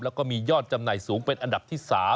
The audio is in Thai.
แล้วก็มียอดจำหน่ายสูงเป็นอันดับที่๓